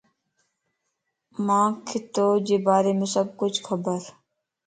مانکَ توجي باريم سڀ کڇ خبرَ